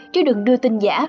chứ đừng đưa tin giả